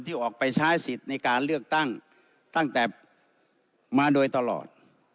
ที่ออกไปใช้สิทธิ์ในการเลือกตั้งตั้งแต่มาโดยตลอด